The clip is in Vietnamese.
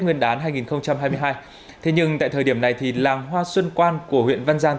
nguyên đán hai nghìn hai mươi hai thế nhưng tại thời điểm này thì làng hoa xuân quan của huyện văn giang